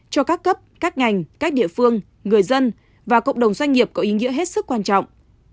cho các cấp các ngành các địa phương người dân và cộng đồng doanh nghiệp có ý nghĩa hết sức quan trọng